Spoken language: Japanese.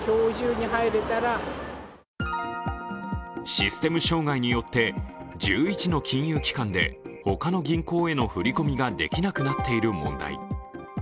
システム障害によって１１の金融機関でほかの銀行への振り込みができなくなっている問題。